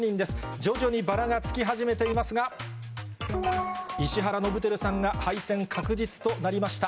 徐々にバラがつき始めていますが、石原伸晃さんが敗戦確実となりました。